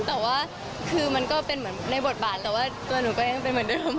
แต่ว่าคือมันก็เป็นเหมือนในบทบาทแต่ว่าตัวหนูก็ยังเป็นเหมือนเดิม